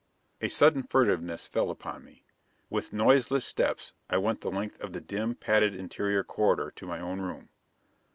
A sudden furtiveness fell upon me. With noiseless steps I went the length of the dim, padded interior corridor to my own room.